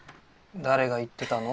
誰が言ってたの？